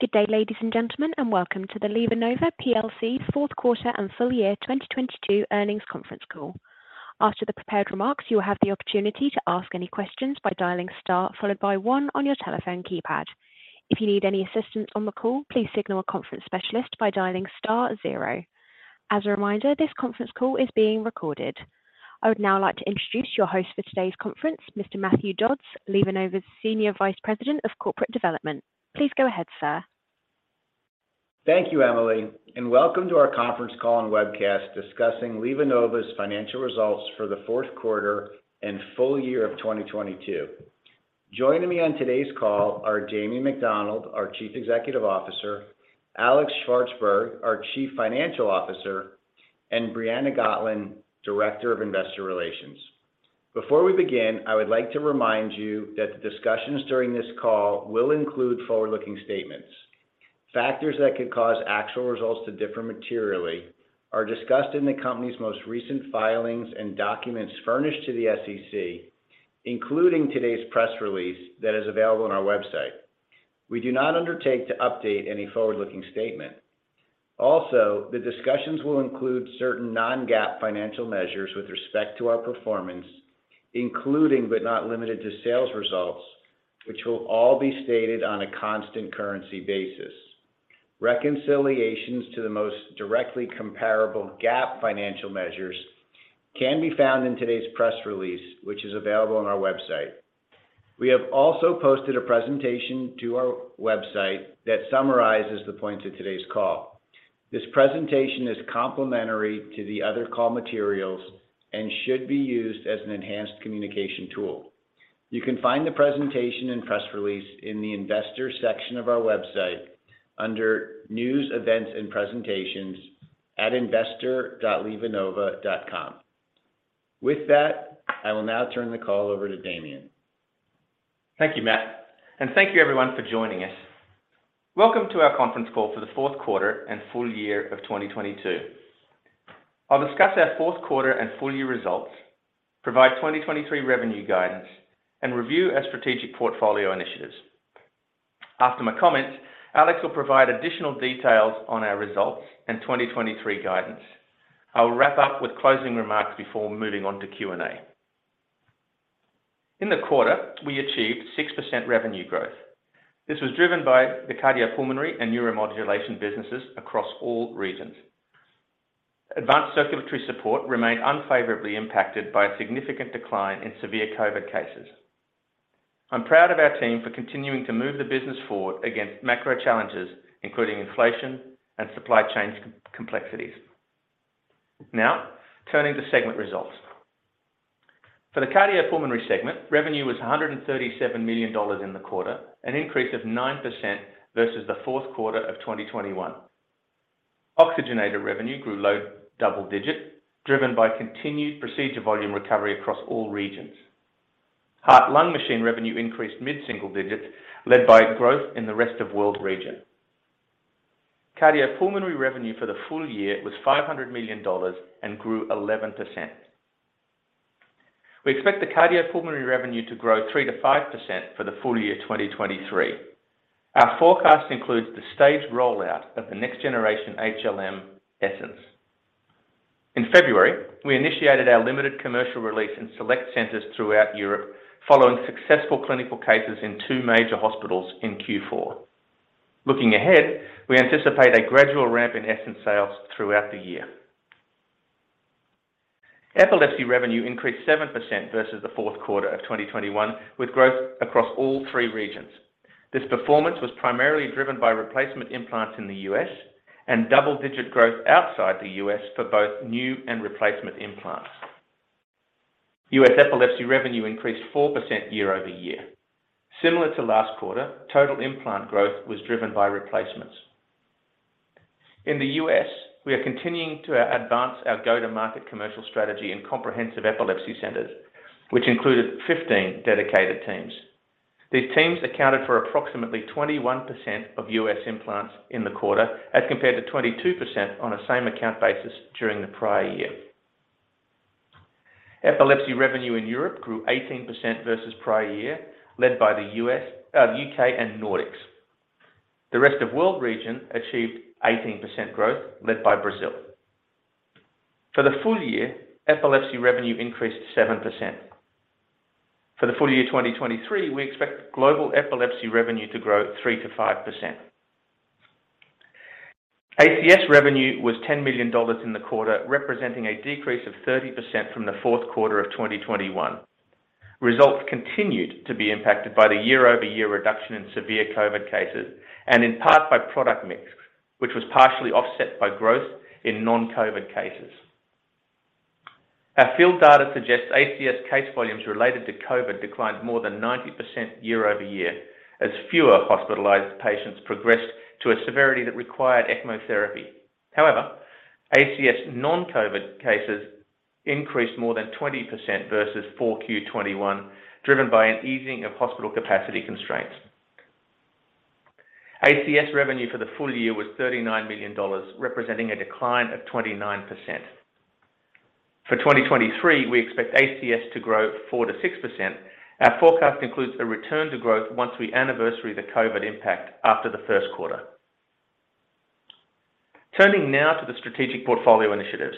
Good day, ladies and gentlemen, and welcome to the LivaNova PLC fourth quarter and full year 2022 earnings conference call. After the prepared remarks, you will have the opportunity to ask any questions by dialing star followed by 1 on your telephone keypad. If you need any assistance on the call, please signal a conference specialist by dialing star 0. As a reminder, this conference call is being recorded. I would now like to introduce your host for today's conference, Mr. Matthew Dodds, LivaNova's Senior Vice President of Corporate Development. Please go ahead, sir. Thank you, Emily, and welcome to our conference call and webcast discussing LivaNova's financial results for the fourth quarter and full year of 2022. Joining me on today's call are Damien McDonald, our Chief Executive Officer, Alex Shvartsman, our Chief Financial Officer, and Briana Gotn, Director of Investor Relations. Before we begin, I would like to remind you that the discussions during this call will include forward-looking statements. Factors that could cause actual results to differ materially are discussed in the company's most recent filings and documents furnished to the SEC, including today's press release that is available on our website. We do not undertake to update any forward-looking statement. The discussions will include certain non-GAAP financial measures with respect to our performance, including but not limited to sales results, which will all be stated on a constant currency basis. Reconciliations to the most directly comparable GAAP financial measures can be found in today's press release, which is available on our website. We have also posted a presentation to our website that summarizes the points of today's call. This presentation is complementary to the other call materials and should be used as an enhanced communication tool. You can find the presentation and press release in the investor section of our website under News, Events and Presentations at investor.livanova.com. With that, I will now turn the call over to Damien. Thank you, Matt, and thank you everyone for joining us. Welcome to our conference call for the fourth quarter and full year of 2022. I'll discuss our fourth quarter and full year results, provide 2023 revenue guidance, and review our strategic portfolio initiatives. After my comments, Alex will provide additional details on our results and 2023 guidance. I will wrap up with closing remarks before moving on to Q&A. In the quarter, we achieved 6% revenue growth. This was driven by the cardiopulmonary and Neuromodulation businesses across all regions. Advanced circulatory support remained unfavorably impacted by a significant decline in severe COVID cases. I'm proud of our team for continuing to move the business forward against macro challenges, including inflation and supply chain complexities. Now, turning to segment results. For the cardiopulmonary segment, revenue was $137 million in the quarter, an increase of 9% versus the fourth quarter of 2021. Oxygenator revenue grew low double digit, driven by continued procedure volume recovery across all regions. Heart-lung machine revenue increased mid-single digits led by growth in the rest of world region. Cardiopulmonary revenue for the full year was $500 million and grew 11%. We expect the cardiopulmonary revenue to grow 3%-5% for the full year 2023. Our forecast includes the staged rollout of the next generation HLM Essenz. In February, we initiated our limited commercial release in select centers throughout Europe following successful clinical cases in 2 major hospitals in Q4. Looking ahead, we anticipate a gradual ramp in Essenz sales throughout the year. Epilepsy revenue increased 7% versus the 4th quarter of 2021, with growth across all 3 regions. This performance was primarily driven by replacement implants in the U.S. and double-digit growth outside the U.S. for both new and replacement implants. U.S. epilepsy revenue increased 4% year-over-year. Similar to last quarter, total implant growth was driven by replacements. In the U.S., we are continuing to advance our go-to-market commercial strategy in Comprehensive Epilepsy Centers, which included 15 dedicated teams. These teams accounted for approximately 21% of U.S. implants in the quarter as compared to 22% on a same account basis during the prior year. Epilepsy revenue in Europe grew 18% versus prior year, led by the U.S., U.K. and Nordics. The rest of world region achieved 18% growth led by Brazil. For the full year, epilepsy revenue increased 7%. For the full year 2023, we expect global epilepsy revenue to grow 3%-5%. ACS revenue was $10 million in the quarter, representing a decrease of 30% from the fourth quarter of 2021. Results continued to be impacted by the year-over-year reduction in severe COVID cases and in part by product mix, which was partially offset by growth in non-COVID cases. Our field data suggests ACS case volumes related to COVID declined more than 90% year-over-year as fewer hospitalized patients progressed to a severity that required ECMO therapy. However, ACS non-COVID cases increased more than 20% versus 4Q21, driven by an easing of hospital capacity constraints. ACS revenue for the full year was $39 million, representing a decline of 29%. For 2023, we expect ACS to grow 4%-6%. Our forecast includes a return to growth once we anniversary the COVID impact after the first quarter. Turning now to the strategic portfolio initiatives.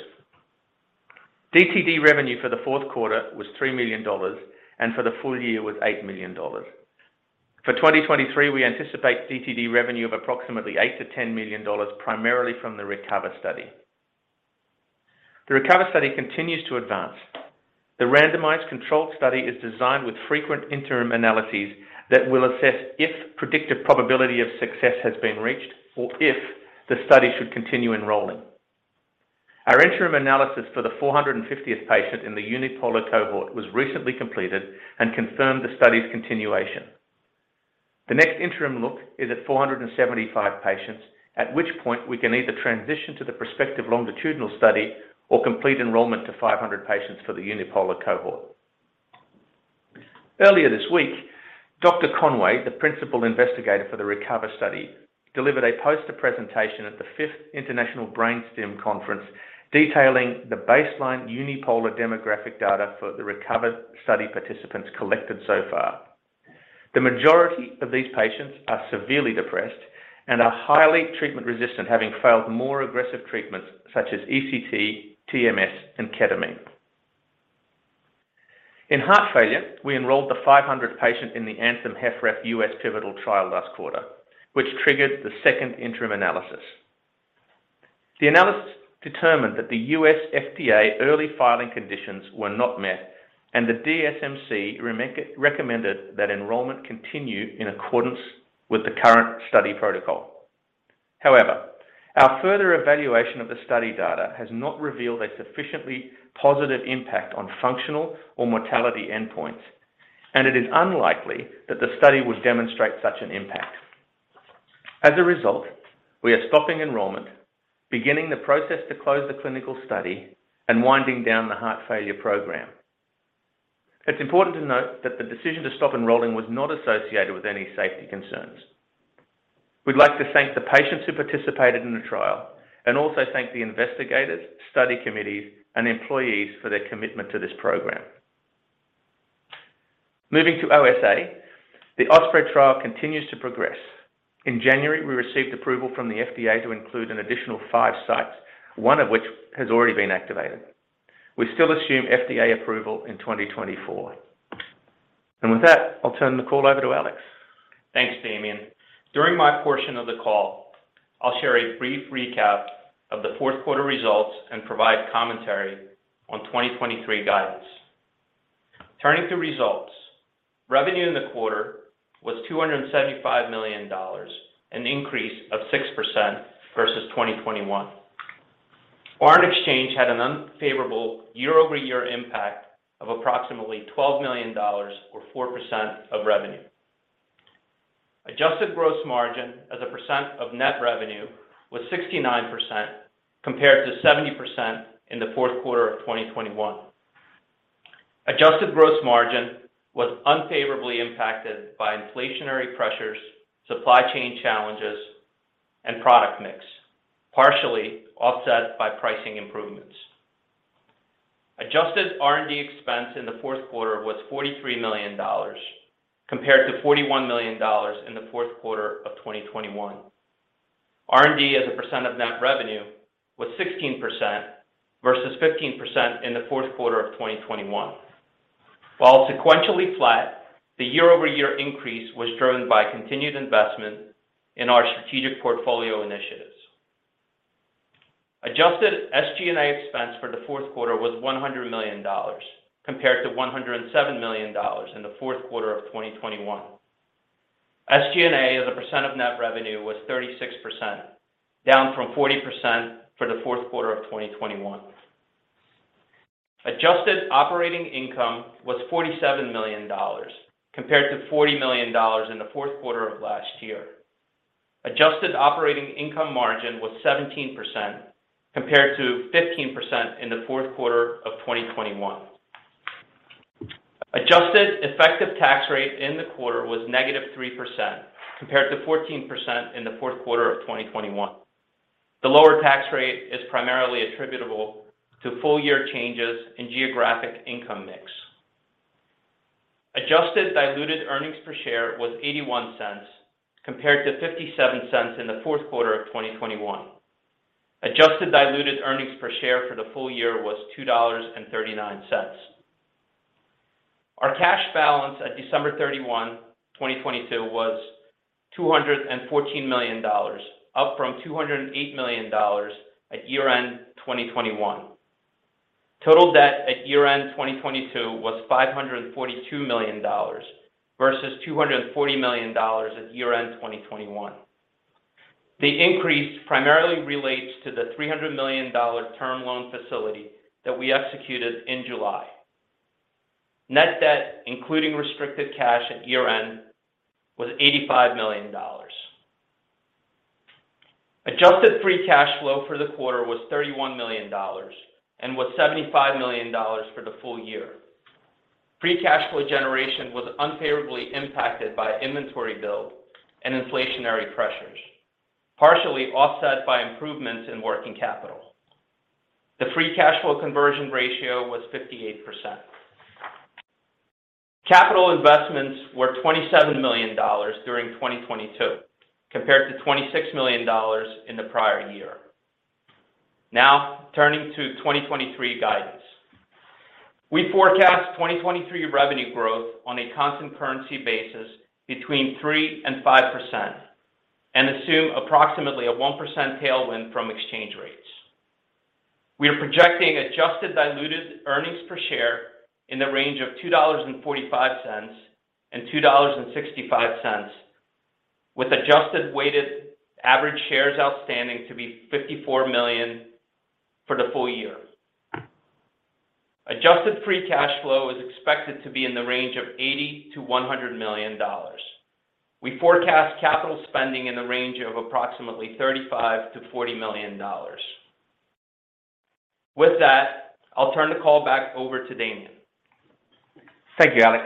DTD revenue for the fourth quarter was $3 million and for the full year was $8 million. For 2023, we anticipate DTD revenue of approximately $8 million-$10 million, primarily from the RECOVER study. The RECOVER study continues to advance. The randomized controlled study is designed with frequent interim analyses that will assess if predictive probability of success has been reached or if the study should continue enrolling. Our interim analysis for the 450th patient in the unipolar cohort was recently completed and confirmed the study's continuation. The next interim look is at 475 patients, at which point we can either transition to the prospective longitudinal study or complete enrollment to 500 patients for the unipolar cohort. Earlier this week, Dr. Conway, the principal investigator for the RECOVER study, delivered a poster presentation at the 5th International Brain Stimulation Conference detailing the baseline unipolar demographic data for the RECOVER study participants collected so far. The majority of these patients are severely depressed and are highly treatment resistant, having failed more aggressive treatments such as ECT, TMS, and ketamine. In heart failure, we enrolled the 500th patient in the ANTHEM-HFrEF U.S. pivotal trial last quarter, which triggered the second interim analysis. The analysis determined that the U.S. FDA early filing conditions were not met. The DSMC recommended that enrollment continue in accordance with the current study protocol. However, our further evaluation of the study data has not revealed a sufficiently positive impact on functional or mortality endpoints, and it is unlikely that the study would demonstrate such an impact. As a result, we are stopping enrollment, beginning the process to close the clinical study, and winding down the heart failure program. It's important to note that the decision to stop enrolling was not associated with any safety concerns. We'd like to thank the patients who participated in the trial and also thank the investigators, study committees, and employees for their commitment to this program. Moving to OSA, the OSPREY trial continues to progress. In January, we received approval from the FDA to include an additional 5 sites, one of which has already been activated. We still assume FDA approval in 2024. With that, I'll turn the call over to Alex. Thanks, Damien. During my portion of the call, I'll share a brief recap of the fourth quarter results and provide commentary on 2023 guidance. Turning to results. Revenue in the quarter was $275 million, an increase of 6% versus 2021. Foreign exchange had an unfavorable year-over-year impact of approximately $12 million or 4% of revenue. Adjusted gross margin as a percent of net revenue was 69% compared to 70% in the fourth quarter of 2021. Adjusted gross margin was unfavorably impacted by inflationary pressures, supply chain challenges, and product mix, partially offset by pricing improvements. Adjusted R&D expense in the fourth quarter was $43 million compared to $41 million in the fourth quarter of 2021. R&D as a percent of net revenue was 16% versus 15% in the fourth quarter of 2021. While sequentially flat, the year-over-year increase was driven by continued investment in our strategic portfolio initiatives. Adjusted SG&A expense for the fourth quarter was $100 million compared to $107 million in the fourth quarter of 2021. SG&A as a % of net revenue was 36%, down from 40% for the fourth quarter of 2021. Adjusted operating income was $47 million compared to $40 million in the fourth quarter of last year. Adjusted operating income margin was 17% compared to 15% in the fourth quarter of 2021. Adjusted effective tax rate in the quarter was -3% compared to 14% in the fourth quarter of 2021. The lower tax rate is primarily attributable to full-year changes in geographic income mix. Adjusted diluted earnings per share was $0.81 compared to $0.57 in the Q4 of 2021. Adjusted diluted earnings per share for the full year was $2.39. Our cash balance at December 31, 2022 was $214 million, up from $208 million at year-end 2021. Total debt at year-end 2022 was $542 million versus $240 million at year-end 2021. The increase primarily relates to the $300 million term loan facility that we executed in July. Net debt, including restricted cash at year-end, was $85 million. Adjusted free cash flow for the quarter was $31 million and was $75 million for the full year. Free cash flow generation was unfavorably impacted by inventory build and inflationary pressures, partially offset by improvements in working capital. The free cash flow conversion ratio was 58%. Capital investments were $27 million during 2022 compared to $26 million in the prior year. Now turning to 2023 guidance. We forecast 2023 revenue growth on a constant currency basis between 3% and 5% and assume approximately a 1% tailwind from exchange rates. We are projecting adjusted diluted earnings per share in the range of $2.45 and $2.65, with adjusted weighted average shares outstanding to be 54 million for the full year. Adjusted free cash flow is expected to be in the range of $80 million-$100 million. We forecast capital spending in the range of approximately $35 million-$40 million. With that, I'll turn the call back over to Damien. Thank you, Alex.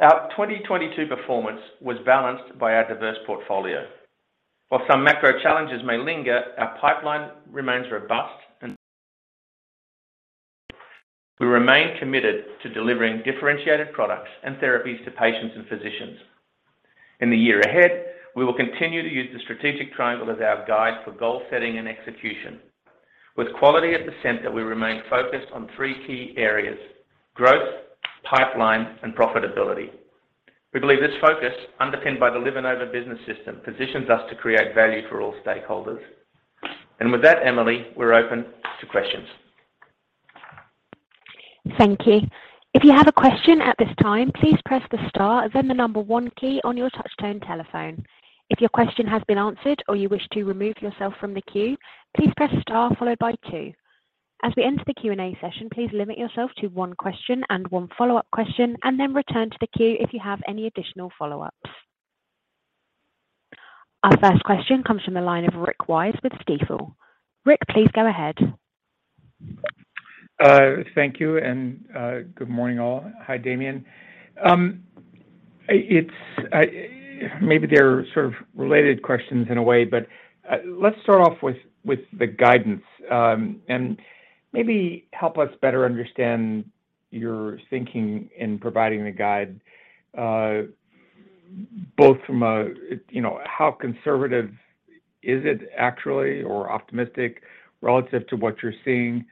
Our 2022 performance was balanced by our diverse portfolio. While some macro challenges may linger, our pipeline remains robust and. We remain committed to delivering differentiated products and therapies to patients and physicians. In the year ahead, we will continue to use the Strategic Triangle as our guide for goal setting and execution. With quality at the center, we remain focused on 3 key areas: growth, pipeline, and profitability. We believe this focus, underpinned by the LivaNova Business System, positions us to create value for all stakeholders. With that, Emily, we're open to questions. Thank you. If you have a question at this time, please press the star then the 1 key on your touch-tone telephone. If your question has been answered or you wish to remove yourself from the queue, please press star followed by 2. As we enter the Q&A session, please limit yourself to 1 question and 1 follow-up question, and then return to the queue if you have any additional follow-ups. Our first question comes from the line of Rick Wise with Stifel. Rick, please go ahead. Thank you and good morning, all. Hi, Damien. Maybe they're sort of related questions in a way. Let's start off with the guidance and maybe help us better understand your thinking in providing the guide, both from a, you know, how conservative is it actually or optimistic relative to what you're seeing.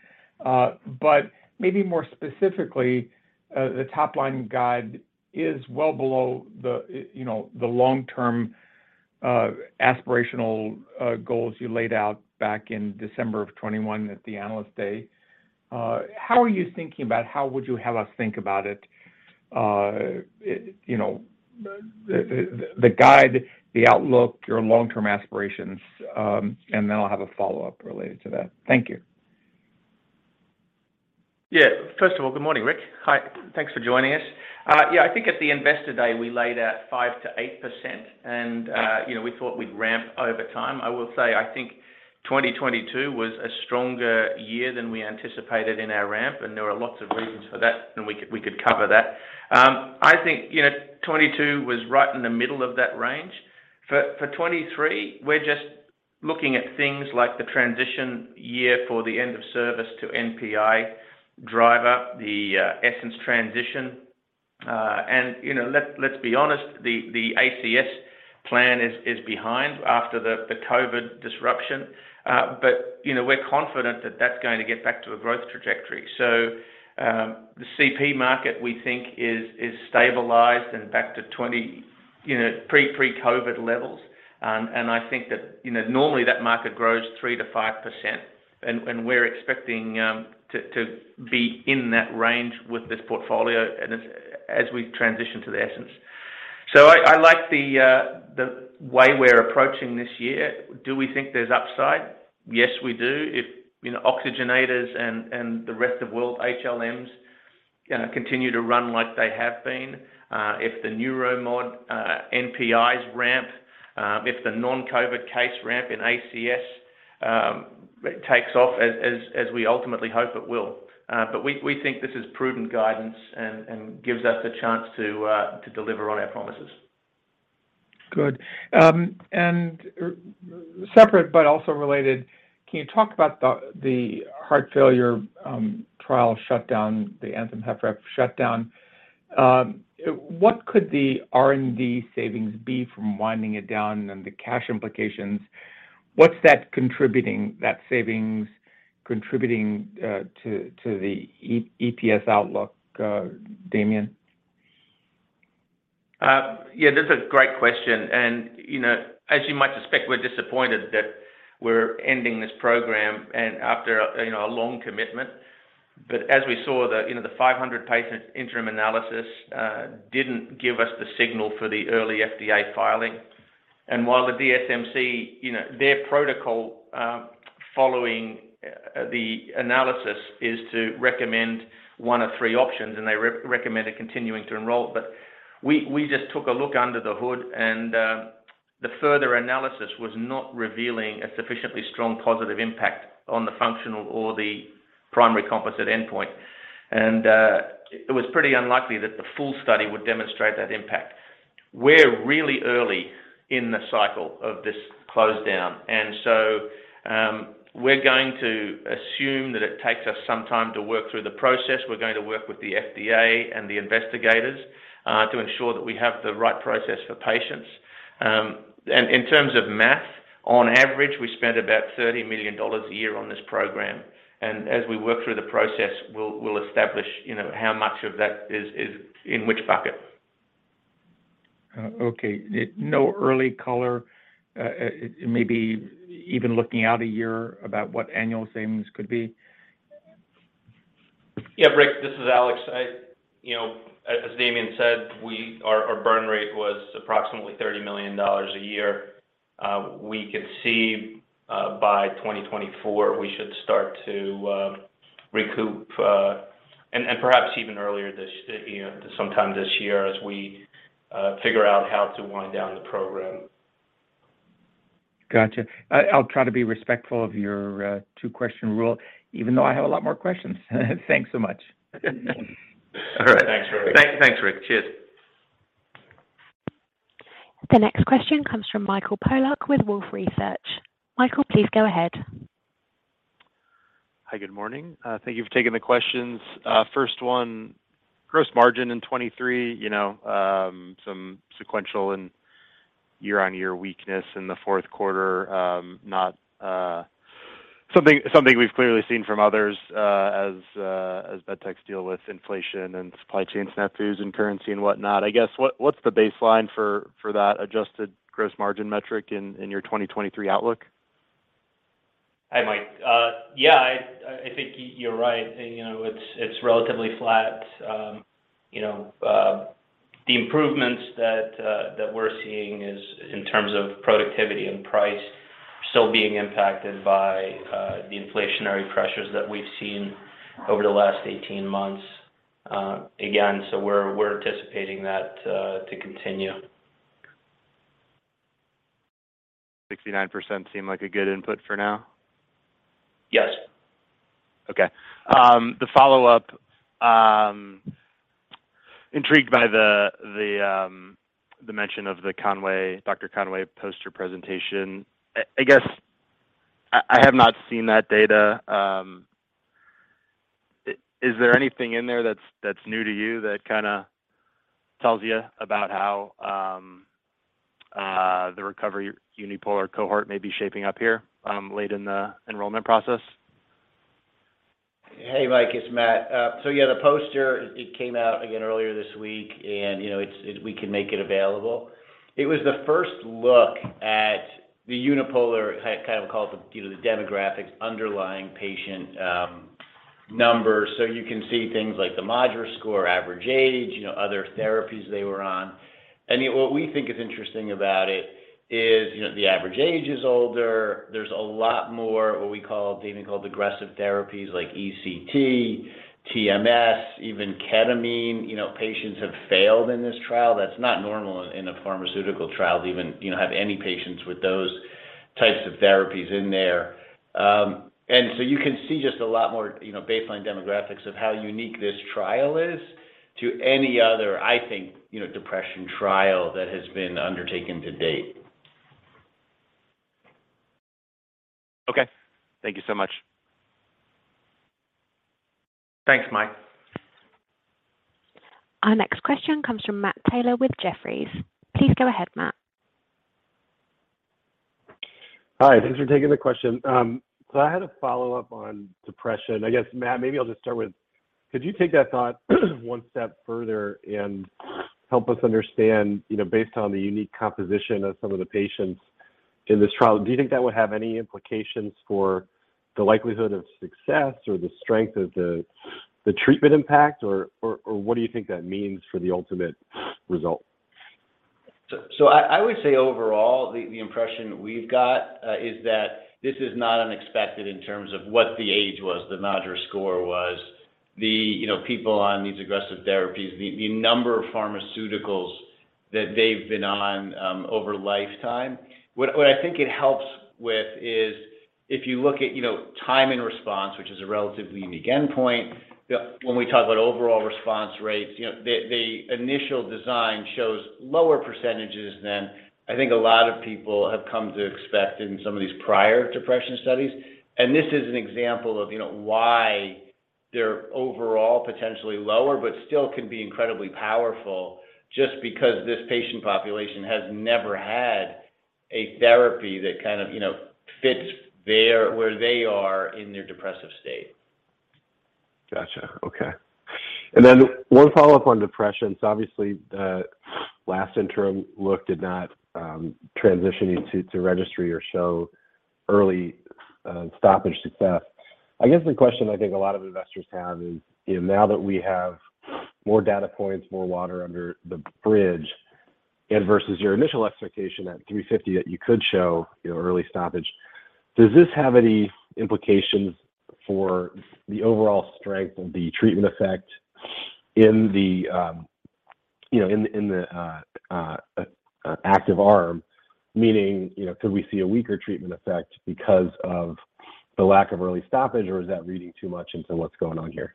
Maybe more specifically, the top-line guide is well below the, you know, the long-term aspirational goals you laid out back in December of 2021 at the Investor Day. How are you thinking about how would you have us think about it? You know, the guide, the outlook, your long-term aspirations, then I'll have a follow-up related to that. Thank you. First of all, good morning, Rick. Hi. Thanks for joining us. I think at the Investor Day, we laid out 5%-8%, you know, we thought we'd ramp over time. I will say, I think 2022 was a stronger year than we anticipated in our ramp, and there are lots of reasons for that, and we could cover that. I think, you know, 2022 was right in the middle of that range. For 2023, we're just looking at things like the transition year for the end of service to NPI driver, the Essenz transition. You know, let's be honest, the ACS plan is behind after the COVID disruption. You know, we're confident that that's going to get back to a growth trajectory. The CP market, we think is stabilized and back to 20, you know, pre-COVID levels. And I think that, you know, normally that market grows 3%-5%, and we're expecting to be in that range with this portfolio as we transition to the Essenz. I like the way we're approaching this year. Do we think there's upside? Yes, we do. If, you know, oxygenators and the rest of world HLMs continue to run like they have been, if the Neuromodulation NPIs ramp, if the non-COVID case ramp in ACS takes off as we ultimately hope it will. But we think this is prudent guidance and gives us a chance to deliver on our promises. Good. Separate but also related, can you talk about the heart failure trial shutdown, the ANTHEM-HFrEF shutdown? What could the R&D savings be from winding it down and the cash implications? What's that contributing, that savings contributing, to the EPS outlook, Damien? Yeah, that's a great question. You know, as you might suspect, we're disappointed that we're ending this program and after, you know, a long commitment. As we saw the, you know, the 500 patient interim analysis, didn't give us the signal for the early FDA filing. While the DSMC, you know, their protocol, following the analysis, is to recommend 1 of 3 options, and they re-recommended continuing to enroll. We just took a look under the hood. The further analysis was not revealing a sufficiently strong positive impact on the functional or the primary composite endpoint. It was pretty unlikely that the full study would demonstrate that impact. We're really early in the cycle of this close down. We're going to assume that it takes us some time to work through the process. We're going to work with the FDA and the investigators to ensure that we have the right process for patients. In terms of math, on average, we spend about $30 million a year on this program. As we work through the process, we'll establish, you know, how much of that is in which bucket. Okay. No early color, maybe even looking out a year about what annual savings could be. Yeah, Rick, this is Alex. You know, as Damien said, our burn rate was approximately $30 million a year. We could see by 2024, we should start to recoup, and perhaps even earlier this, you know, sometime this year as we figure out how to wind down the program. Got you. I'll try to be respectful of your 2-question rule, even though I have a lot more questions. Thanks so much. All right. Thanks, Rick. Thanks. Thanks, Rick. Cheers. The next question comes from Michael Polark with Wolfe Research. Michael, please go ahead. Hi, good morning. Thank you for taking the questions. First one, gross margin in 23, you know, some sequential and year-on-year weakness in the fourth quarter, not something we've clearly seen from others, as MedTechs deal with inflation and supply chain snap throughs and currency and whatnot. I guess, what's the baseline for that adjusted gross margin metric in your 2023 outlook? Hi, Mike. I think you're right. You know, it's relatively flat. You know, the improvements that we're seeing is in terms of productivity and price still being impacted by the inflationary pressures that we've seen over the last 18 months again. We're anticipating that to continue. 69% seem like a good input for now? Yes. Okay. The follow-up, intrigued by the mention of the Conway, Dr. Conway poster presentation. I guess I have not seen that data. Is there anything in there that's new to you that kinda tells you about how the recovery unipolar cohort may be shaping up here, late in the enrollment process? Hey, Mike. It's Matt. Yeah, the poster, it came out again earlier this week, and, you know, we can make it available. It was the first look at the unipolar, kind of call it the, you know, the demographics underlying patient numbers. You can see things like the MADRS score score, average age, you know, other therapies they were on. What we think is interesting about it is, you know, the average age is older. There's a lot more what we call, Damien McDonald called aggressive therapies like ECT, TMS, even ketamine, you know, patients have failed in this trial. That's not normal in a pharmaceutical trial to even, you know, have any patients with those types of therapies in there. You can see just a lot more, you know, baseline demographics of how unique this trial is to any other, I think, you know, depression trial that has been undertaken to date. Okay. Thank you so much. Thanks, Mike. Our next question comes from Matthew Taylor with Jefferies. Please go ahead, Matt. Hi. Thanks for taking the question. I had a follow-up on depression. I guess, Matt, maybe I'll just start with, could you take that thought 1 step further and help us understand, you know, based on the unique composition of some of the patients in this trial, do you think that would have any implications for the likelihood of success or the strength of the treatment impact, or what do you think that means for the ultimate result? I would say overall, the impression we've got is that this is not unexpected in terms of what the age was, the MADRS score was, the, you know, people on these aggressive therapies, the number of pharmaceuticals that they've been on over lifetime. What I think it helps with is if you look at, you know, time and response, which is a relatively unique endpoint. When we talk about overall response rates, you know, the initial design shows lower percentages than I think a lot of people have come to expect in some of these prior depression studies. This is an example of, you know, why they're overall potentially lower, but still can be incredibly powerful just because this patient population has never had a therapy that kind of, you know, fits where they are in their depressive state. Got you. Okay. 1 follow-up on depression. Obviously, the last interim look did not transition into registry or show early stoppage success. I guess the question I think a lot of investors have is, you know, now that we have more data points, more water under the bridge and versus your initial expectation at 350 that you could show, you know, early stoppage, does this have any implications for the overall strength of the treatment effect in the, you know, in the active arm, meaning, you know, could we see a weaker treatment effect because of the lack of early stoppage, or is that reading too much into what's going on here?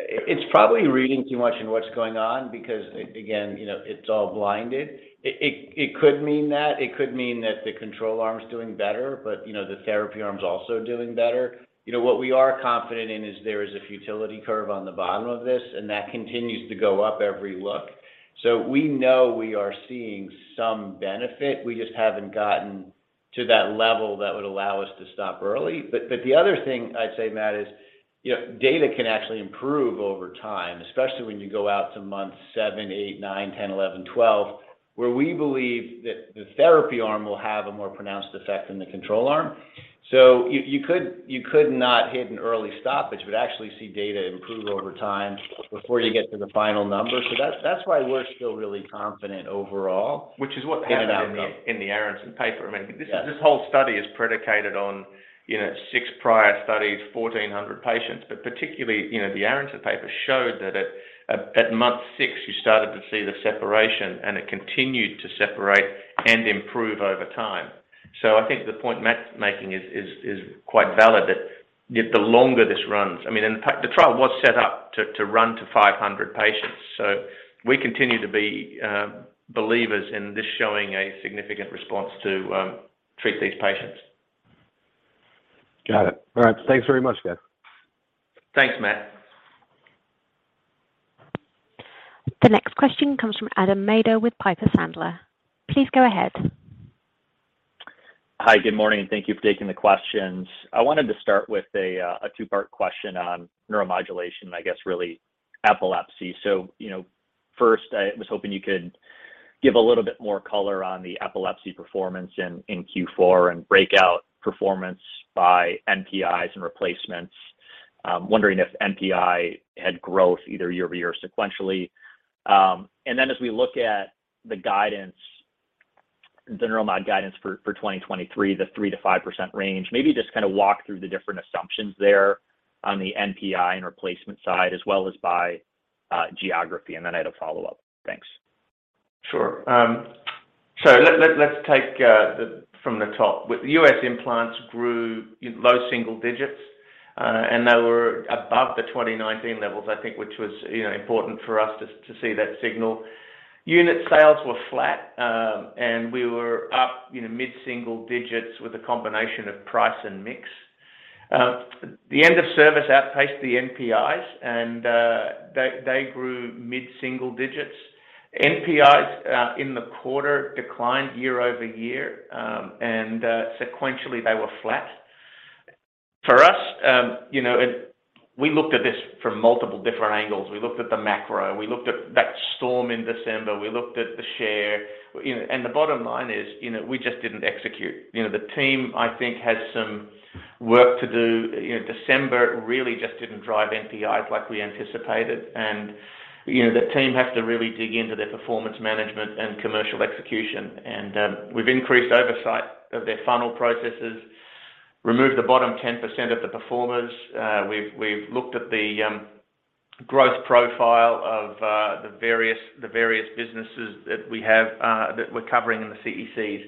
It's probably reading too much in what's going on because again, you know, it's all blinded. It could mean that. It could mean that the control arm's doing better, but, you know, the therapy arm's also doing better. You know, what we are confident in is there is a futility curve on the bottom of this, and that continues to go up every look. We know we are seeing some benefit. We just haven't gotten to that level that would allow us to stop early. The other thing I'd say, Matt, is, you know, data can actually improve over time, especially when you go out to month 7, 8, 9, 10, 11, 12, where we believe that the therapy arm will have a more pronounced effect than the control arm. You could not hit an early stoppage, but actually see data improve over time before you get to the final number. That's why we're still really confident overall. Which is what happened in the Aaronson paper. Yeah... this whole study is predicated on, you know, 6 prior studies, 1,400 patients. Particularly, you know, the Aaronson paper showed that at month 6, you started to see the separation, and it continued to separate and improve over time. I think the point Matt's making is quite valid, that the longer this runs... I mean, and the fact the trial was set up to run to 500 patients. We continue to be believers in this showing a significant response to treat these patients. Got it. All right. Thanks very much, guys. Thanks, Matt. The next question comes from Adam Maeder with Piper Sandler. Please go ahead. Hi, good morning. Thank you for taking the questions. I wanted to start with a 2-part question on Neuromodulation, I guess, really epilepsy. You know, first, I was hoping you could give a little bit more color on the epilepsy performance in Q4 and breakout performance by NPIs and replacements. Wondering if NPI had growth either year-over-year sequentially. As we look at the guidance, the neuromod guidance for 2023, the 3%-5% range, maybe just kinda walk through the different assumptions there on the NPI and replacement side, as well as by geography. I had a follow-up. Thanks. Sure. Let's take from the top. With US implants grew in low single digits, they were above the 2019 levels, I think, which was, you know, important for us to see that signal. Unit sales were flat, we were up, you know, mid-single digits with a combination of price and mix. The end of service outpaced the NPIs, they grew mid-single digits. NPIs in the quarter declined year-over-year, sequentially, they were flat. For us, you know, we looked at this from multiple different angles. We looked at the macro. We looked at that storm in December. We looked at the share. You know, the bottom line is, you know, we just didn't execute. You know, the team, I think, has some work to do. You know, December really just didn't drive NPIs like we anticipated. You know, the team has to really dig into their performance management and commercial execution. We've increased oversight of their funnel processes, removed the bottom 10% of the performers. We've looked at the growth profile of the various businesses that we have that we're covering in the CECs.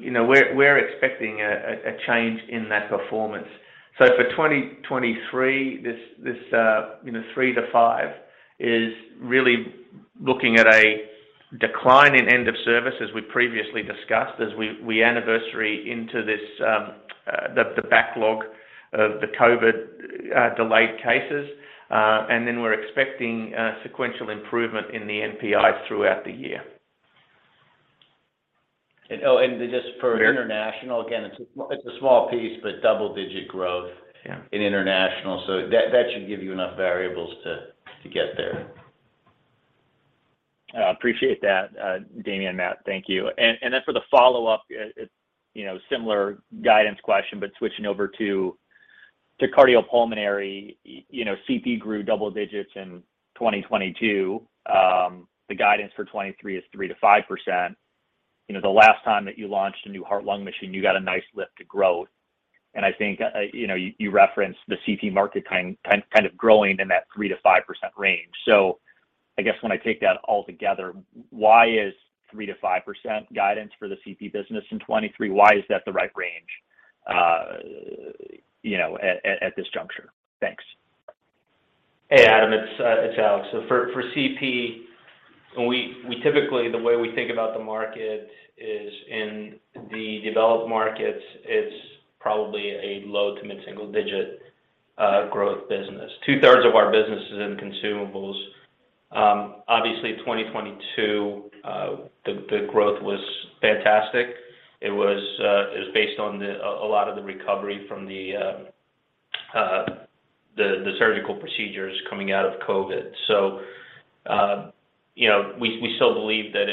You know, we're expecting a change in that performance. For 2023, this, you know, 3-5 is really looking at a decline in end of service, as we previously discussed, as we anniversary into this backlog of the COVID delayed cases. We're expecting sequential improvement in the NPIs throughout the year. Just for international, again, it's a small piece, but double-digit growth. Yeah... in international. That should give you enough variables to get there. I appreciate that, Damien and Matt, thank you. For the follow-up, you know, similar guidance question, but switching over to cardiopulmonary. You know, CP grew double digits in 2022. The guidance for 2023 is 3%-5%. You know, the last time that you launched a new heart-lung machine, you got a nice lift to growth. I think, you know, you referenced the CP market kind of growing in that 3%-5% range. I guess when I take that all together, why is 3%-5% guidance for the CP business in 2023, why is that the right range, you know, at this juncture? Thanks. Hey, Adam, it's Alex. For CP, we typically, the way we think about the market is in the developed markets, it's probably a low to mid-single digit growth business. 2-thirds of our business is in consumables. Obviously 2022, the growth was fantastic. It was based on a lot of the recovery from the surgical procedures coming out of COVID. You know, we still believe that,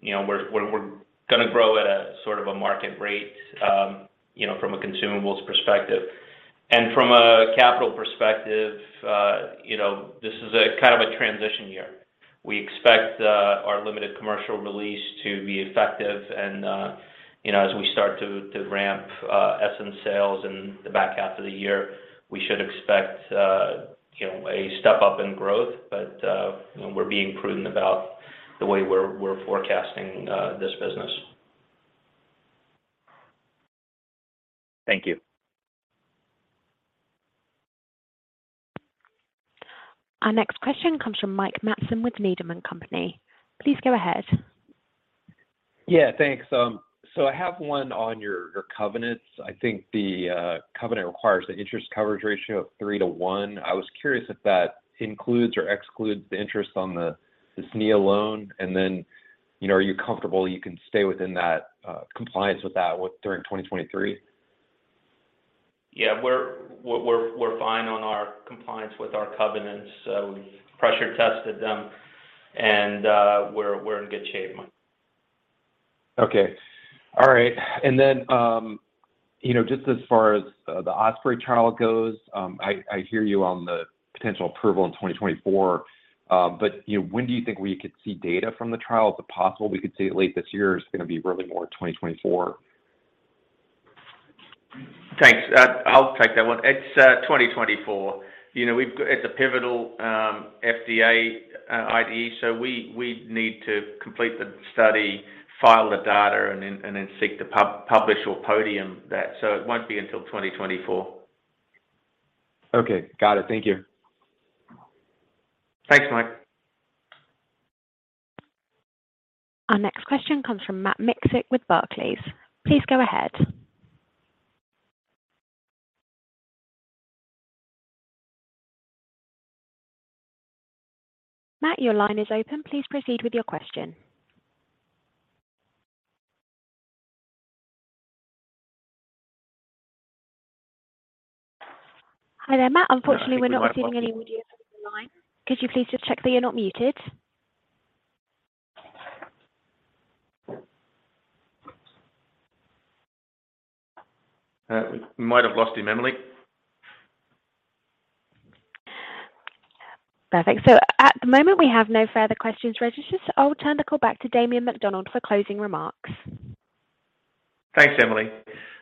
you know, we're gonna grow at a sort of a market rate, you know, from a consumables perspective. From a capital perspective, you know, this is a kind of a transition year. We expect our limited commercial release to be effective and, you know, as we start to ramp Essenz sales in the back half of the year, we should expect, you know, a step up in growth. You know, we're being prudent about the way we're forecasting this business. Thank you. Our next question comes from Mike Matson with Needham & Company. Please go ahead. Yeah, thanks. I have 1 on your covenants. I think the covenant requires the interest coverage ratio of 3 to 1. I was curious if that includes or excludes the interest on this net interest, and then, you know, are you comfortable you can stay within that compliance with that during 2023? Yeah. We're fine on our compliance with our covenants. We've pressure tested them. We're in good shape, Mike. Okay. All right. You know, just as far as the OSPREY trial goes, I hear you on the potential approval in 2024, you know, when do you think we could see data from the trial? Is it possible we could see it late this year, is it gonna be really more 2024? Thanks. I'll take that one. It's 2024. You know, we've it's a pivotal FDA IDE, we need to complete the study, file the data, then seek to publish or podium that. It won't be until 2024. Okay. Got it. Thank you. Thanks, Mike. Our next question comes from Matt Miksic with Barclays. Please go ahead. Matt, your line is open. Please proceed with your question. Hi there, Matt. Unfortunately, we're not receiving any audio from the line. Could you please just check that you're not muted? We might have lost him, Emily. Perfect. At the moment, we have no further questions registered. I'll turn the call back to Damien McDonald for closing remarks. Thanks, Emily.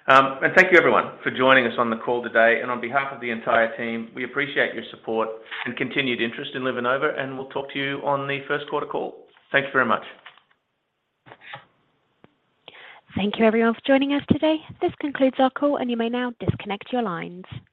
Thank you everyone for joining us on the call today. On behalf of the entire team, we appreciate your support and continued interest in LivaNova. We'll talk to you on the first quarter call. Thank you very much. Thank you everyone for joining us today. This concludes our call. You may now disconnect your lines.